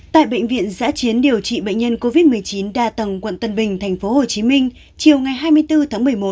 tại bệnh viện giã chiến điều trị bệnh nhân covid một mươi chín đa tầng quận tân bình tp hcm chiều ngày hai mươi bốn tháng một mươi một